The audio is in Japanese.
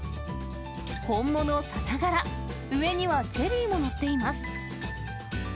本物さながら、上にはチェリーも載っています。